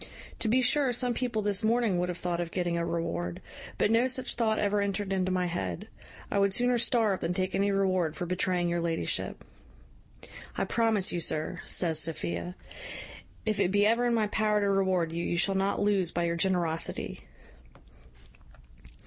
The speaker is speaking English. To be sure some people this morning would have thought of getting a reward; but no such thought ever entered into my head. I would sooner starve than take any reward for betraying your ladyship." "I promise you, sir," says Sophia, "if it be ever in my power to reward you, you shall not lose by your generosity."